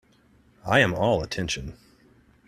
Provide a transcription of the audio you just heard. I am all attention.